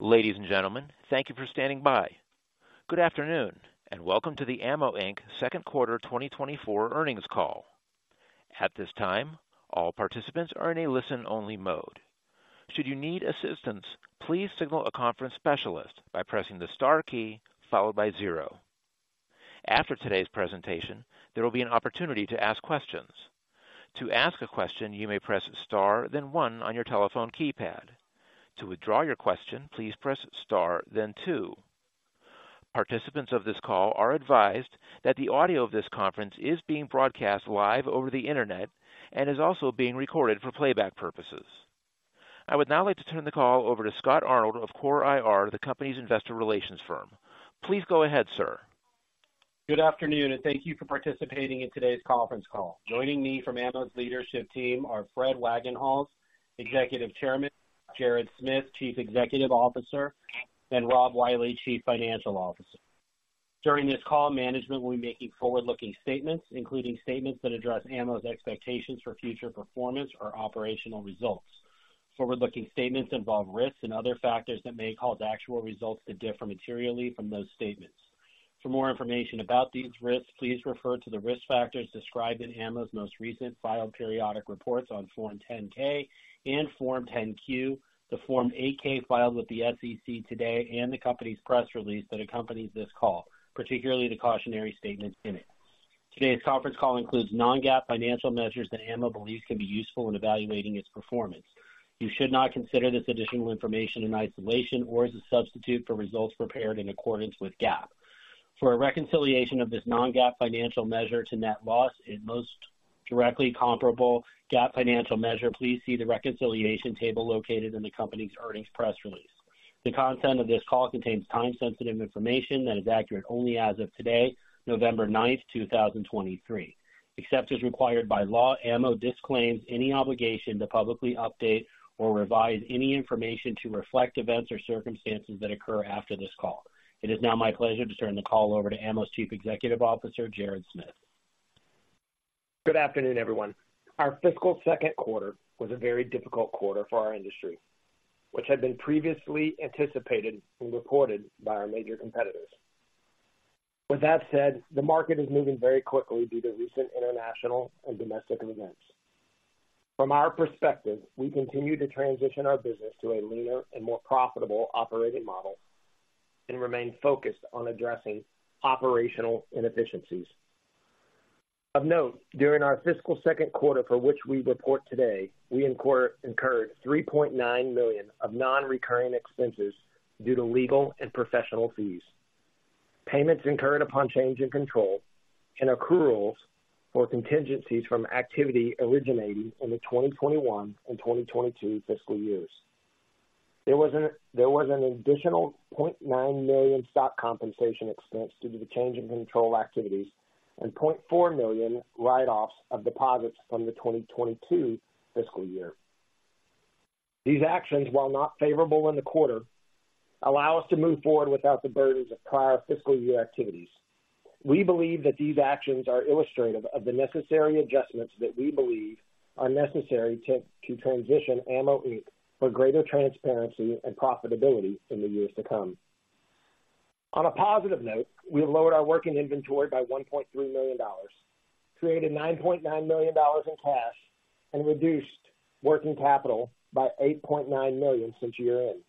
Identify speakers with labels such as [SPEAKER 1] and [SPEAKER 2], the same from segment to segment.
[SPEAKER 1] Ladies and gentlemen, thank you for standing by. Good afternoon, and welcome to the AMMO, Inc. Second Quarter 2024 earnings call. At this time, all participants are in a listen-only mode. Should you need assistance, please signal a conference specialist by pressing the star key followed by zero. After today's presentation, there will be an opportunity to ask questions. To ask a question, you may press star then one on your telephone keypad. To withdraw your question, please press star then two. Participants of this call are advised that the audio of this conference is being broadcast live over the internet and is also being recorded for playback purposes. I would now like to turn the call over to Scott Arnold of Core IR, the company's investor relations firm. Please go ahead, sir.
[SPEAKER 2] Good afternoon, and thank you for participating in today's conference call. Joining me from AMMO's leadership team are Fred Wagenhals, Executive Chairman, Jared Smith, Chief Executive Officer, and Rob Wiley, Chief Financial Officer. During this call, management will be making forward-looking statements, including statements that address AMMO's expectations for future performance or operational results. Forward-looking statements involve risks and other factors that may cause actual results to differ materially from those statements. For more information about these risks, please refer to the risk factors described in AMMO's most recent filed periodic reports on Form 10-K and Form 10-Q, the Form 8-K filed with the SEC today, and the company's press release that accompanies this call, particularly the cautionary statements in it. Today's conference call includes non-GAAP financial measures that AMMO believes can be useful in evaluating its performance. You should not consider this additional information in isolation or as a substitute for results prepared in accordance with GAAP. For a reconciliation of this non-GAAP financial measure to net loss, its most directly comparable GAAP financial measure, please see the reconciliation table located in the company's earnings press release. The content of this call contains time-sensitive information that is accurate only as of today, November 9, 2023. Except as required by law, AMMO disclaims any obligation to publicly update or revise any information to reflect events or circumstances that occur after this call. It is now my pleasure to turn the call over to AMMO's Chief Executive Officer, Jared Smith.
[SPEAKER 3] Good afternoon, everyone. Our fiscal second quarter was a very difficult quarter for our industry, which had been previously anticipated and reported by our major competitors. With that said, the market is moving very quickly due to recent international and domestic events. From our perspective, we continue to transition our business to a leaner and more profitable operating model and remain focused on addressing operational inefficiencies. Of note, during our fiscal second quarter for which we report today, we incurred $3.9 million of non-recurring expenses due to legal and professional fees, payments incurred upon change in control, and accruals or contingencies from activity originating in the 2021 and 2022 fiscal years. There was an additional $0.9 million stock compensation expense due to the change in control activities and $0.4 million write-offs of deposits from the 2022 fiscal year. These actions, while not favorable in the quarter, allow us to move forward without the burdens of prior fiscal year activities. We believe that these actions are illustrative of the necessary adjustments that we believe are necessary to transition AMMO, Inc. for greater transparency and profitability in the years to come. On a positive note, we've lowered our working inventory by $1.3 million, created $9.9 million in cash, and reduced working capital by $8.9 million since year-end.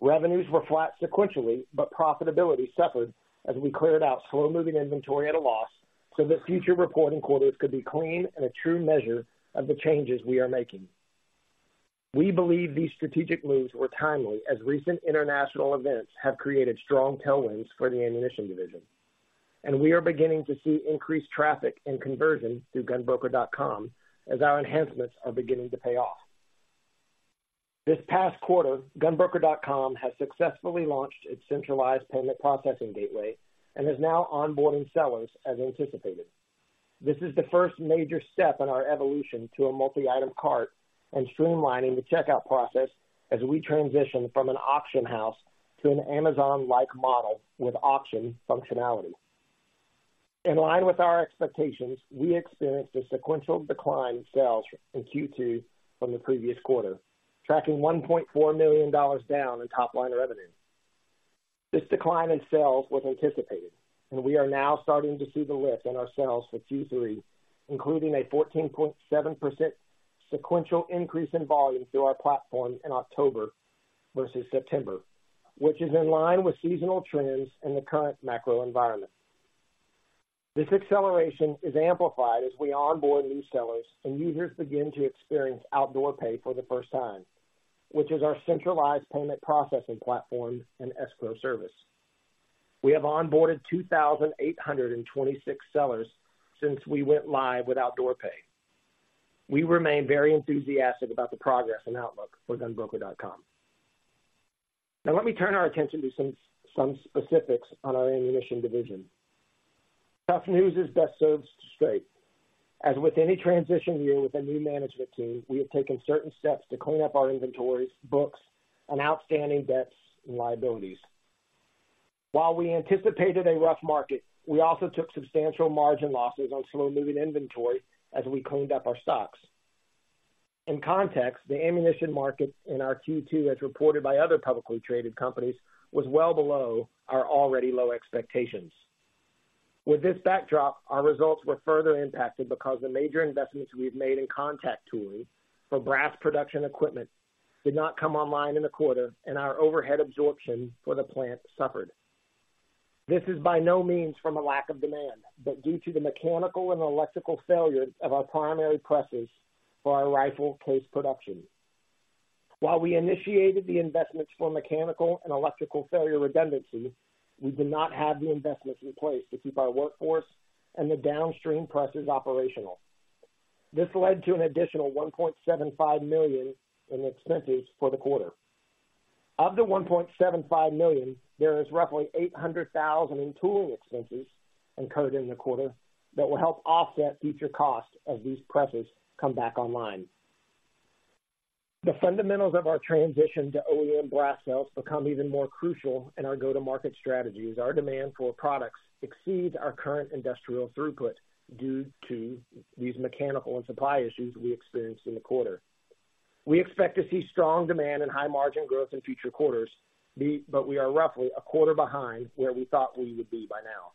[SPEAKER 3] Revenues were flat sequentially, but profitability suffered as we cleared out slow-moving inventory at a loss so that future reporting quarters could be clean and a true measure of the changes we are making. We believe these strategic moves were timely, as recent international events have created strong tailwinds for the ammunition division, and we are beginning to see increased traffic and conversion through GunBroker.com as our enhancements are beginning to pay off. This past quarter, GunBroker.com has successfully launched its centralized payment processing gateway and is now onboarding sellers as anticipated. This is the first major step in our evolution to a multi-item cart and streamlining the checkout process as we transition from an auction house to an Amazon-like model with auction functionality. In line with our expectations, we experienced a sequential decline in sales in Q2 from the previous quarter, tracking $1.4 million down in top-line revenue. This decline in sales was anticipated, and we are now starting to see the lift in our sales for Q3, including a 14.7% sequential increase in volume through our platform in October versus September, which is in line with seasonal trends in the current macro environment. This acceleration is amplified as we onboard new sellers and users begin to experience OutdoorPay for the first time, which is our centralized payment processing platform and escrow service. We have onboarded 2,826 sellers since we went live with OutdoorPay. We remain very enthusiastic about the progress and outlook for GunBroker.com. Now, let me turn our attention to some specifics on our ammunition division. Tough news is best served straight. As with any transition year with a new management team, we have taken certain steps to clean up our inventories, books, and outstanding debts and liabilities. While we anticipated a rough market, we also took substantial margin losses on slow-moving inventory as we cleaned up our stocks. In context, the ammunition market in our Q2, as reported by other publicly traded companies, was well below our already low expectations. With this backdrop, our results were further impacted because the major investments we've made in contact tooling for brass production equipment did not come online in the quarter, and our overhead absorption for the plant suffered. This is by no means from a lack of demand, but due to the mechanical and electrical failures of our primary presses for our rifle case production. While we initiated the investments for mechanical and electrical failure redundancy, we did not have the investments in place to keep our workforce and the downstream presses operational. This led to an additional $1.75 million in expenses for the quarter. Of the $1.75 million, there is roughly $800,000 in tooling expenses incurred in the quarter that will help offset future costs as these presses come back online. The fundamentals of our transition to OEM brass sales become even more crucial in our go-to-market strategies. Our demand for products exceeds our current industrial throughput due to these mechanical and supply issues we experienced in the quarter. We expect to see strong demand and high margin growth in future quarters, but we are roughly a quarter behind where we thought we would be by now.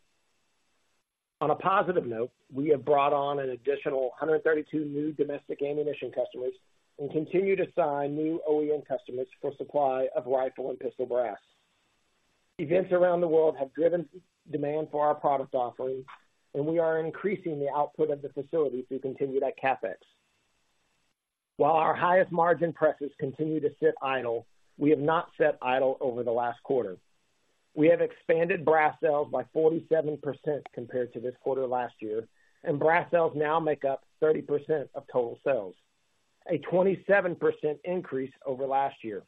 [SPEAKER 3] On a positive note, we have brought on an additional 132 new domestic ammunition customers, and continue to sign new OEM customers for supply of rifle and pistol brass. Events around the world have driven demand for our product offerings, and we are increasing the output of the facility through continued CapEx. While our highest margin presses continue to sit idle, we have not sat idle over the last quarter. We have expanded brass sales by 47% compared to this quarter last year, and brass sales now make up 30% of total sales, a 27% increase over last year.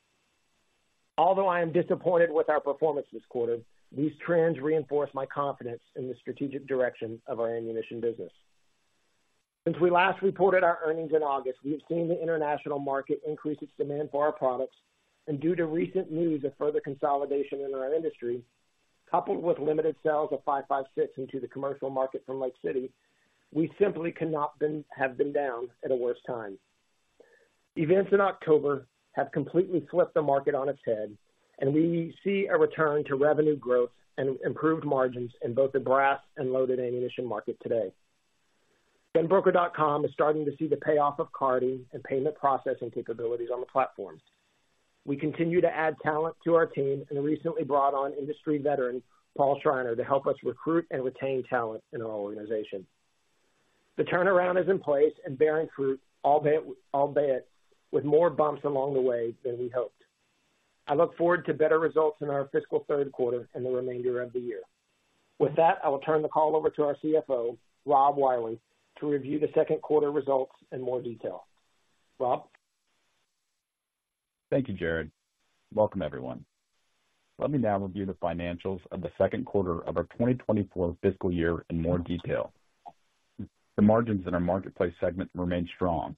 [SPEAKER 3] Although I am disappointed with our performance this quarter, these trends reinforce my confidence in the strategic direction of our ammunition business. Since we last reported our earnings in August, we have seen the international market increase its demand for our products, and due to recent news of further consolidation in our industry, coupled with limited sales of 5.56 into the commercial market from Lake City, we simply cannot have been down at a worse time. Events in October have completely flipped the market on its head, and we see a return to revenue growth and improved margins in both the brass and loaded ammunition market today. GunBroker.com is starting to see the payoff of carting and payment processing capabilities on the platform. We continue to add talent to our team and recently brought on industry veteran Paul Schreiner to help us recruit and retain talent in our organization. The turnaround is in place and bearing fruit, albeit with more bumps along the way than we hoped. I look forward to better results in our fiscal third quarter and the remainder of the year. With that, I will turn the call over to our CFO, Rob Wiley, to review the second quarter results in more detail. Rob?
[SPEAKER 4] Thank you, Jared. Welcome, everyone. Let me now review the financials of the second quarter of our 2024 fiscal year in more detail. The margins in our marketplace segment remain strong,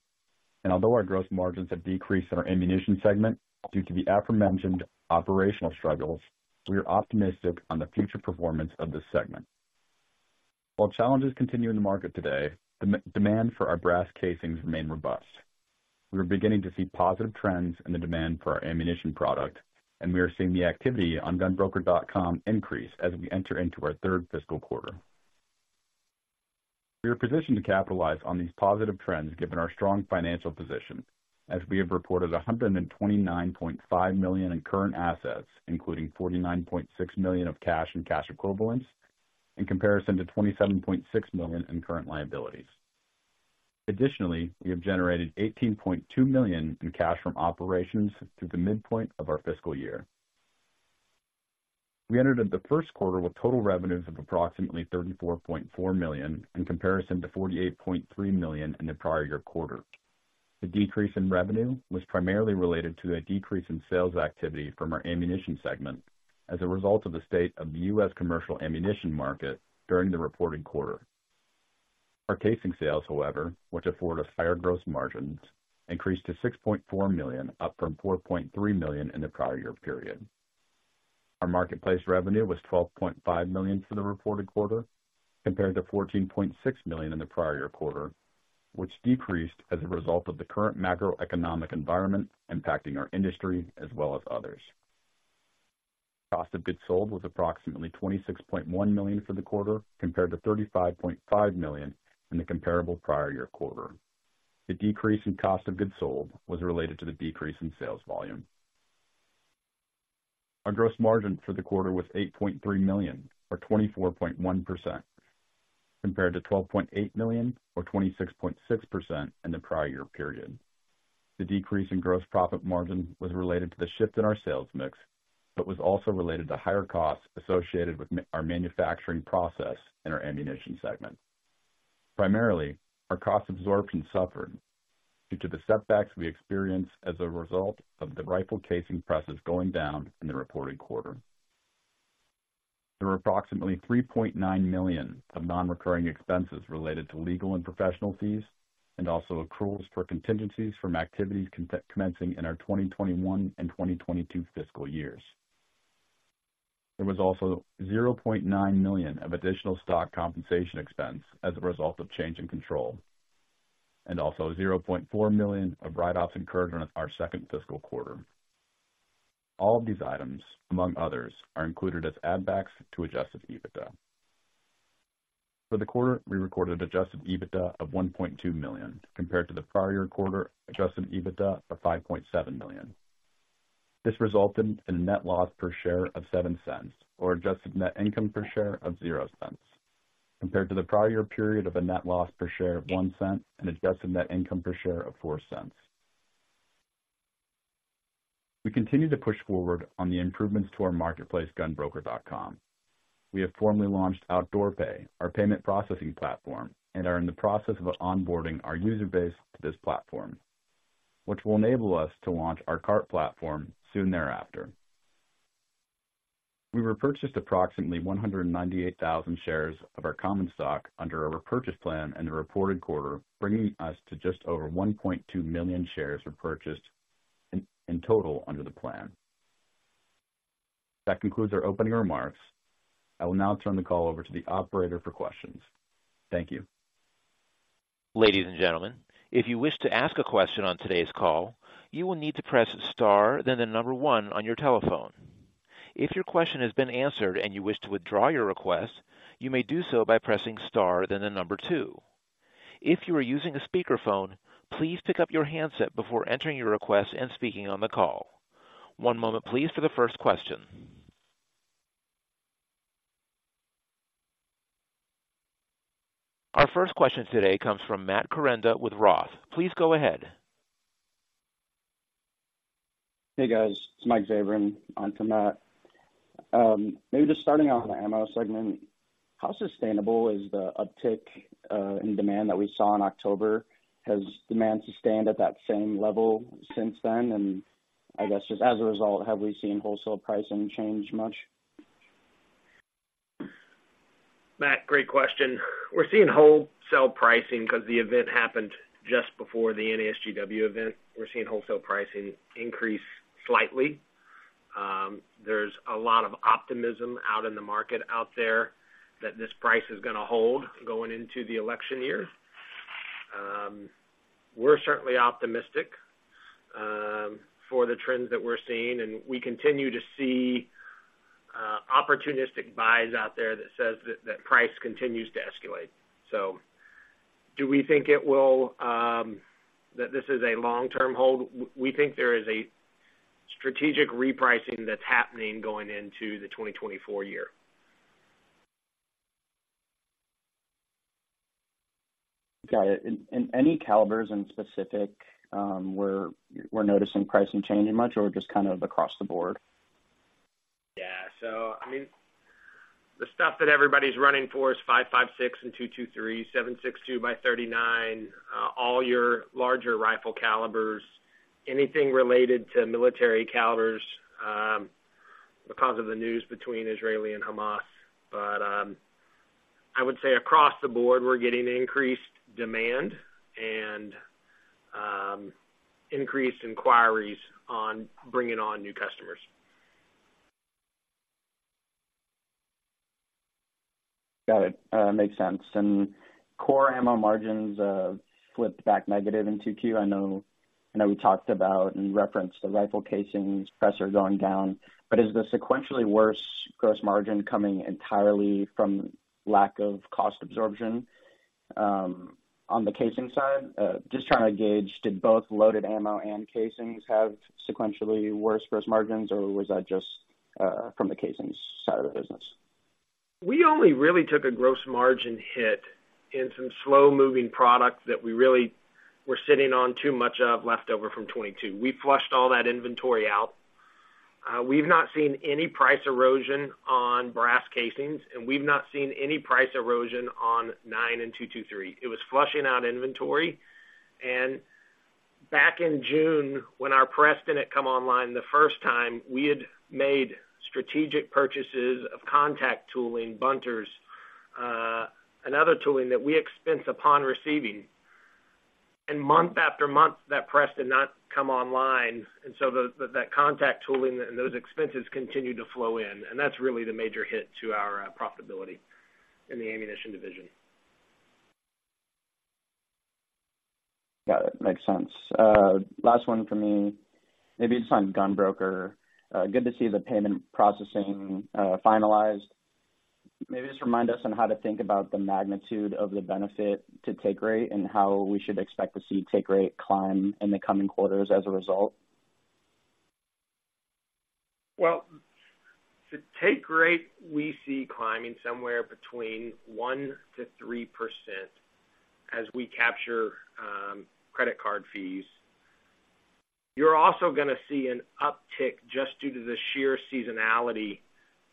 [SPEAKER 4] and although our gross margins have decreased in our ammunition segment due to the aforementioned operational struggles, we are optimistic on the future performance of this segment. While challenges continue in the market today, demand for our brass casings remain robust. We are beginning to see positive trends in the demand for our ammunition product, and we are seeing the activity on GunBroker.com increase as we enter into our third fiscal quarter. We are positioned to capitalize on these positive trends, given our strong financial position, as we have reported $129.5 million in current assets, including $49.6 million of cash and cash equivalents, in comparison to $27.6 million in current liabilities. Additionally, we have generated $18.2 million in cash from operations through the midpoint of our fiscal year. We entered the first quarter with total revenues of approximately $34.4 million, in comparison to $48.3 million in the prior year quarter. The decrease in revenue was primarily related to a decrease in sales activity from our ammunition segment as a result of the state of the U.S. commercial ammunition market during the reported quarter. Our casing sales, however, which afford us higher gross margins, increased to $6.4 million, up from $4.3 million in the prior year period. Our marketplace revenue was $12.5 million for the reported quarter, compared to $14.6 million in the prior year quarter, which decreased as a result of the current macroeconomic environment impacting our industry as well as others. Cost of goods sold was approximately $26.1 million for the quarter, compared to $35.5 million in the comparable prior year quarter. The decrease in cost of goods sold was related to the decrease in sales volume. Our gross margin for the quarter was $8.3 million, or 24.1%, compared to $12.8 million, or 26.6% in the prior year period. The decrease in gross profit margin was related to the shift in our sales mix, but was also related to higher costs associated with our manufacturing process in our ammunition segment. Primarily, our cost absorption suffered due to the setbacks we experienced as a result of the rifle casing presses going down in the reported quarter. There were approximately $3.9 million of non-recurring expenses related to legal and professional fees,... and also accruals for contingencies from activities commencing in our 2021 and 2022 fiscal years. There was also $0.9 million of additional stock compensation expense as a result of change in control, and also $0.4 million of write-offs incurred during our second fiscal quarter. All of these items, among others, are included as add backs to adjusted EBITDA. For the quarter, we recorded Adjusted EBITDA of $1.2 million, compared to the prior year quarter Adjusted EBITDA of $5.7 million. This resulted in a net loss per share of $0.07, or adjusted net income per share of $0.00, compared to the prior year period of a net loss per share of $0.01 and adjusted net income per share of $0.04. We continue to push forward on the improvements to our marketplace, GunBroker.com. We have formally launched Outdoor Pay, our payment processing platform, and are in the process of onboarding our user base to this platform, which will enable us to launch our cart platform soon thereafter. We repurchased approximately 198,000 shares of our common stock under our repurchase plan in the reported quarter, bringing us to just over 1.2 million shares repurchased in total under the plan. That concludes our opening remarks. I will now turn the call over to the operator for questions. Thank you.
[SPEAKER 1] Ladies and gentlemen, if you wish to ask a question on today's call, you will need to press Star, then the number 1 on your telephone. If your question has been answered and you wish to withdraw your request, you may do so by pressing Star, then the number 2. If you are using a speakerphone, please pick up your handset before entering your request and speaking on the call. One moment please, for the first question. Our first question today comes from Matt Koranda with Roth. Please go ahead.
[SPEAKER 5] Hey, guys, it's Mike Zabran on for Matt. Maybe just starting off on the ammo segment, how sustainable is the uptick in demand that we saw in October? Has demand sustained at that same level since then? And I guess, just as a result, have we seen wholesale pricing change much?
[SPEAKER 3] Matt, great question. We're seeing wholesale pricing because the event happened just before the NASGW event. We're seeing wholesale pricing increase slightly. There's a lot of optimism out in the market out there that this price is going to hold going into the election year. We're certainly optimistic for the trends that we're seeing, and we continue to see opportunistic buys out there that says that price continues to escalate. So do we think it will that this is a long-term hold? We think there is a strategic repricing that's happening going into the 2024 year.
[SPEAKER 5] Got it. And any specific calibers, we're noticing pricing changing much, or just kind of across the board?
[SPEAKER 3] Yeah. So I mean, the stuff that everybody's running for is 5.56 and .223, 7.62x39, all your larger rifle calibers, anything related to military calibers, because of the news between Israel and Hamas. But, I would say across the board, we're getting increased demand and, increased inquiries on bringing on new customers.
[SPEAKER 5] Got it. Makes sense. Core ammo margins flipped back negative in 2Q. I know, I know we talked about and referenced the rifle casings, pressure going down, but is the sequentially worse gross margin coming entirely from lack of cost absorption on the casing side? Just trying to gauge, did both loaded ammo and casings have sequentially worse gross margins, or was that just from the casings side of the business?
[SPEAKER 3] We only really took a gross margin hit in some slow-moving products that we really were sitting on too much of leftover from 2022. We flushed all that inventory out. We've not seen any price erosion on brass casings, and we've not seen any price erosion on 9 and 223. It was flushing out inventory. Back in June, when our press didn't come online the first time, we had made strategic purchases of contact tooling, bunters, and other tooling that we expense upon receiving. Month after month, that press did not come online, and so that contact tooling and those expenses continued to flow in, and that's really the major hit to our profitability in the ammunition division.
[SPEAKER 5] Got it. Makes sense. Last one for me, maybe just on GunBroker. Good to see the payment processing finalized. Maybe just remind us on how to think about the magnitude of the benefit to take rate and how we should expect to see take rate climb in the coming quarters as a result.
[SPEAKER 3] Well, the take rate, we see climbing somewhere between 1%-3% as we capture credit card fees. You're also going to see an uptick just due to the sheer seasonality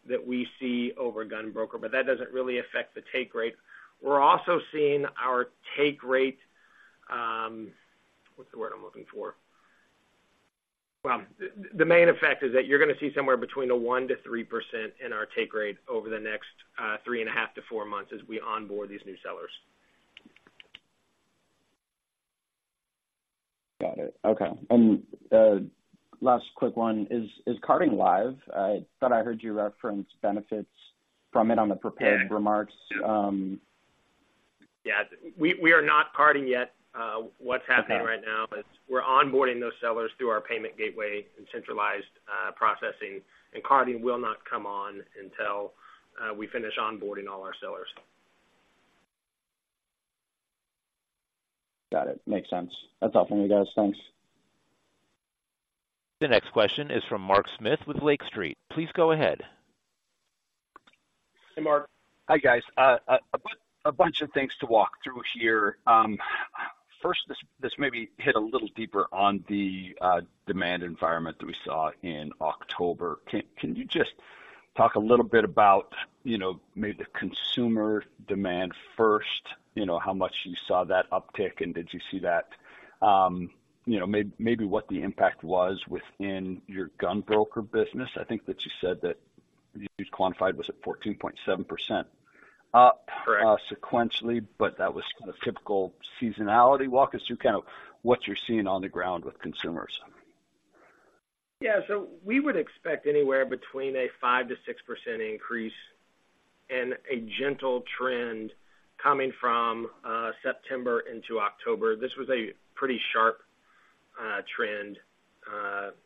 [SPEAKER 3] that we see over GunBroker, but that doesn't really affect the take rate. We're also seeing our take rate. Well, the main effect is that you're going to see somewhere between a 1%-3% in our take rate over the next 3.5-4 months as we onboard these new sellers.
[SPEAKER 6] Got it. Okay. And last quick one, is carting live? I thought I heard you reference benefits from it on the prepared remarks.
[SPEAKER 3] Yeah, we are not carting yet. What's happening right now is we're onboarding those sellers through our payment gateway and centralized processing, and carting will not come on until we finish onboarding all our sellers.
[SPEAKER 6] Got it. Makes sense. That's all for me, guys. Thanks.
[SPEAKER 1] The next question is from Mark Smith with Lake Street. Please go ahead.
[SPEAKER 3] Hey, Mark.
[SPEAKER 6] Hi, guys. A bunch of things to walk through here. First, this maybe hit a little deeper on the demand environment that we saw in October. Can you just talk a little bit about, you know, maybe the consumer demand first, you know, how much you saw that uptick, and did you see that, you know, maybe what the impact was within your GunBroker business? I think that you said that you quantified was at 14.7% up-
[SPEAKER 3] Correct...
[SPEAKER 6] sequentially, but that was kind of typical seasonality. Walk us through kind of what you're seeing on the ground with consumers.
[SPEAKER 3] Yeah, so we would expect anywhere between a 5%-6% increase and a gentle trend coming from September into October. This was a pretty sharp trend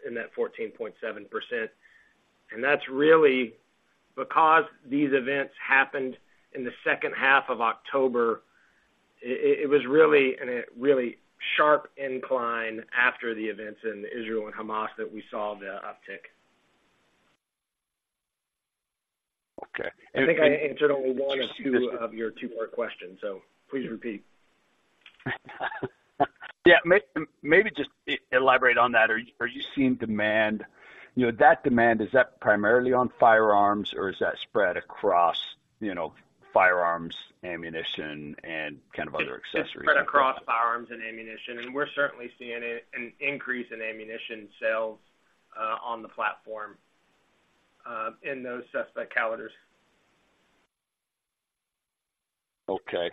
[SPEAKER 3] in that 14.7%. And that's really because these events happened in the second half of October. It was really a really sharp incline after the events in Israel and Hamas that we saw the uptick.
[SPEAKER 6] Okay.
[SPEAKER 3] I think I answered only one of two of your two more questions, so please repeat.
[SPEAKER 6] Yeah. Maybe just elaborate on that. Are you seeing demand? You know, that demand, is that primarily on firearms, or is that spread across, you know, firearms, ammunition, and kind of other accessories?
[SPEAKER 3] It's spread across firearms and ammunition, and we're certainly seeing an increase in ammunition sales on the platform in those suspect calibers.
[SPEAKER 6] Okay.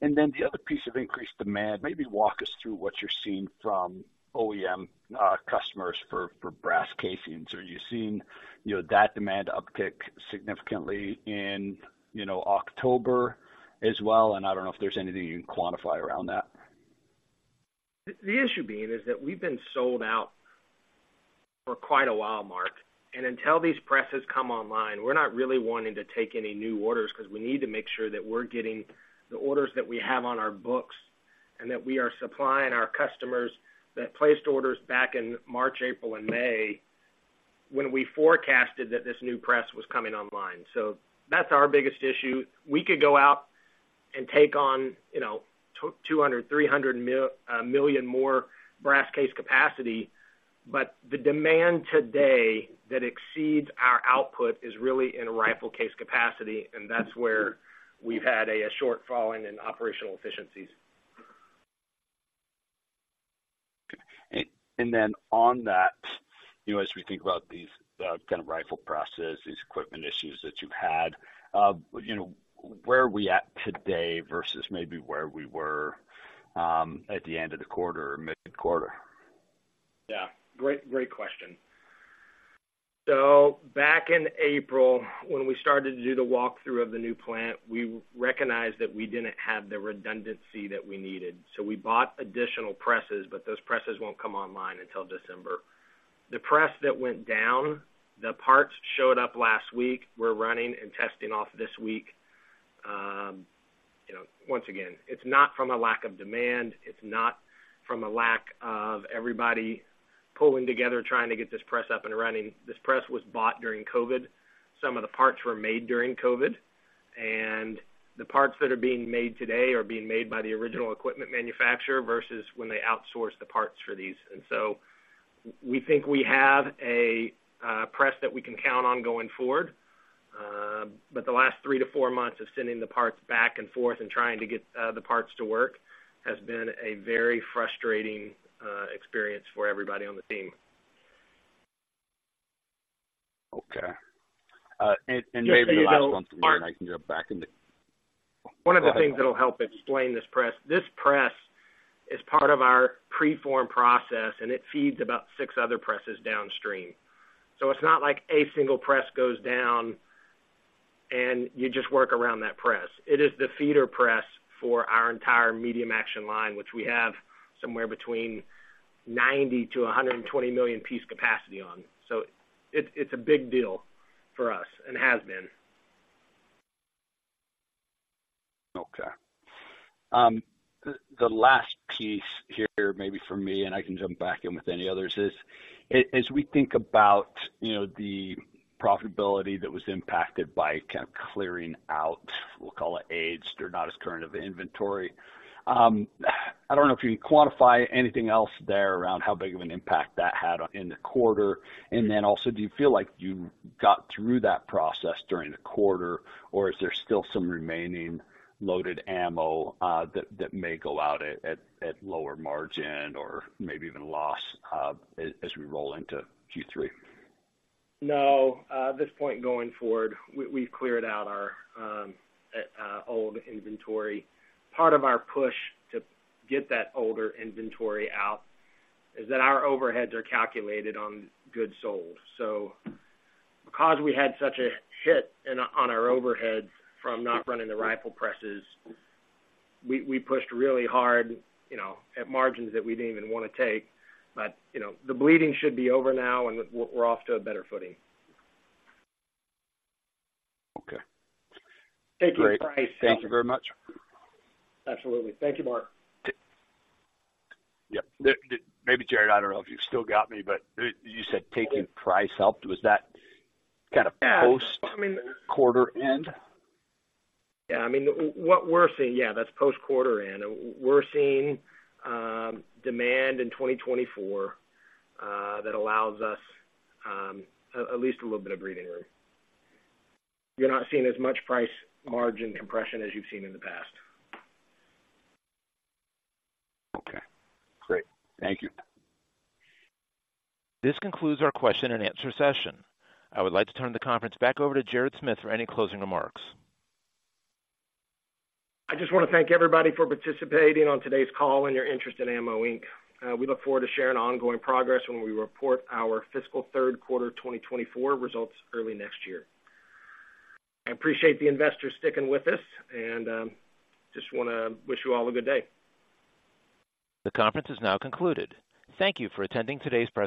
[SPEAKER 6] And then the other piece of increased demand, maybe walk us through what you're seeing from OEM customers for brass casings. Are you seeing, you know, that demand uptick significantly in, you know, October as well? And I don't know if there's anything you can quantify around that.
[SPEAKER 3] The issue being is that we've been sold out for quite a while, Mark, and until these presses come online, we're not really wanting to take any new orders because we need to make sure that we're getting the orders that we have on our books and that we are supplying our customers that placed orders back in March, April and May, when we forecasted that this new press was coming online. So that's our biggest issue. We could go out and take on, you know, 200, 300 million more brass case capacity, but the demand today that exceeds our output is really in rifle case capacity, and that's where we've had a shortfall in operational efficiencies.
[SPEAKER 6] And then on that, you know, as we think about these kind of rifle presses, these equipment issues that you've had, you know, where are we at today versus maybe where we were at the end of the quarter or mid-quarter?
[SPEAKER 3] Yeah, great, great question. So back in April, when we started to do the walkthrough of the new plant, we recognized that we didn't have the redundancy that we needed. So we bought additional presses, but those presses won't come online until December. The press that went down, the parts showed up last week. We're running and testing off this week. You know, once again, it's not from a lack of demand, it's not from a lack of everybody pulling together, trying to get this press up and running. This press was bought during COVID. Some of the parts were made during COVID, and the parts that are being made today are being made by the original equipment manufacturer versus when they outsource the parts for these. And so we think we have a press that we can count on going forward. But the last 3-4 months of sending the parts back and forth and trying to get the parts to work has been a very frustrating experience for everybody on the team.
[SPEAKER 6] Okay. And maybe the last one, and I can jump back into-
[SPEAKER 3] One of the things that'll help explain this press. This press is part of our preform process, and it feeds about 6 other presses downstream. So it's not like a single press goes down, and you just work around that press. It is the feeder press for our entire medium action line, which we have somewhere between 90-120 million piece capacity on. So it's, it's a big deal for us and has been.
[SPEAKER 6] Okay. The last piece here, maybe for me, and I can jump back in with any others, is as we think about, you know, the profitability that was impacted by kind of clearing out, we'll call it aged or not as current of inventory. I don't know if you can quantify anything else there around how big of an impact that had in the quarter. And then also, do you feel like you got through that process during the quarter, or is there still some remaining loaded ammo, that may go out at lower margin or maybe even loss, as we roll into Q3?
[SPEAKER 3] No, at this point going forward, we, we've cleared out our, old inventory. Part of our push to get that older inventory out is that our overheads are calculated on goods sold. So because we had such a hit on our overhead from not running the rifle presses, we, we pushed really hard, you know, at margins that we didn't even want to take. But, you know, the bleeding should be over now, and we're, we're off to a better footing.
[SPEAKER 6] Okay.
[SPEAKER 3] Taking price.
[SPEAKER 6] Thank you very much.
[SPEAKER 3] Absolutely. Thank you, Mark.
[SPEAKER 6] Yeah. Maybe, Jared, I don't know if you've still got me, but you said taking price helped. Was that kind of post-
[SPEAKER 3] Yeah, I mean-
[SPEAKER 6] -quarter end?
[SPEAKER 3] Yeah, I mean, what we're seeing. Yeah, that's post-quarter end. We're seeing demand in 2024 that allows us at least a little bit of breathing room. You're not seeing as much price margin compression as you've seen in the past.
[SPEAKER 6] Okay, great. Thank you.
[SPEAKER 1] This concludes our question and answer session. I would like to turn the conference back over to Jared Smith for any closing remarks.
[SPEAKER 3] I just want to thank everybody for participating on today's call and your interest in AMMO, Inc. We look forward to sharing ongoing progress when we report our fiscal third quarter 2024 results early next year. I appreciate the investors sticking with us, and just want to wish you all a good day.
[SPEAKER 1] The conference is now concluded. Thank you for attending today's press conference.